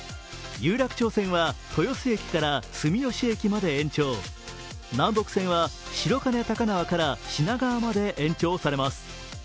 有楽町線は豊洲駅から住吉駅まで延長、南北線は白金高輪から品川まで延長されます。